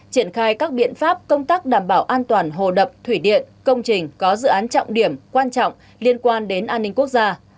triển khai các biện pháp công tác đảm bảo an toàn hồ đập thủy điện công trình có dự án trọng điểm quan trọng liên quan đến an ninh quốc gia